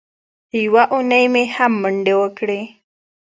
یوه اونۍ مې هم منډې وکړې.